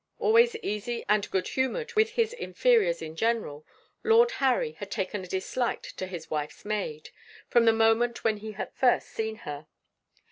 Always easy and good humoured with his inferiors in general, Lord Harry had taken a dislike to his wife's maid, from the moment when he had first seen her.